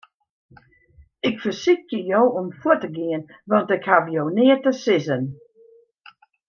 Ik fersykje jo om fuort te gean, want ik haw jo neat te sizzen.